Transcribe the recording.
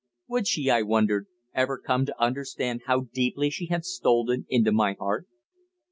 Would she, I wondered, ever come to understand how deeply she had stolen into my heart?